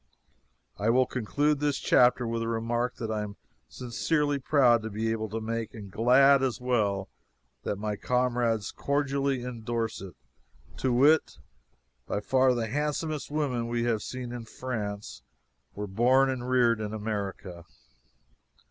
I will conclude this chapter with a remark that I am sincerely proud to be able to make and glad, as well, that my comrades cordially endorse it, to wit: by far the handsomest women we have seen in France were born and reared in America.